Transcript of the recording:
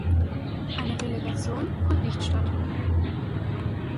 Eine Relegation fand nicht statt.